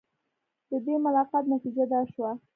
د دې ملاقات نتیجه دا شوه.